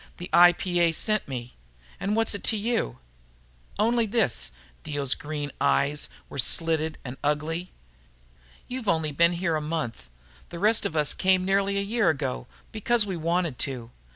The IPA sent me. And what's it to you?" "Only this." Dio's green eyes were slitted and ugly. "You've only been here a month. The rest of us came nearly a year ago because we wanted to.